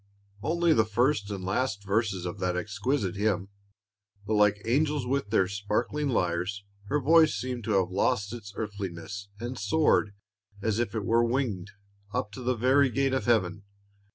Only the first and last verses of that exquisite hymn; but like "angels with their sparkling lyres," her voice seemed to have lost its earthliness, and soared, as if it were winged, up to the very gate of heaven.